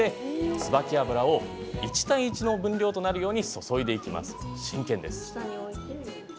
ツバキ油を１対１の分量となるように注いでいきます。